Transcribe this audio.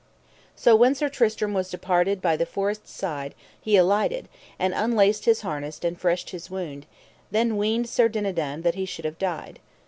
So when Sir Tristram was departed by the forest's side he alighted, and unlaced his harness and freshed his wound; then weened Sir Dinadan that he should have died.